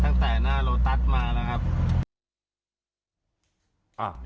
ตั้งแต่หน้าโลตัสมานะครับ